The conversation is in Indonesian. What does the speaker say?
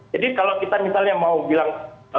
jadi kalau kita misalnya mau bilang